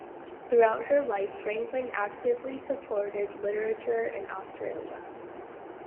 Throughout her life, Franklin actively supported literature in Australia.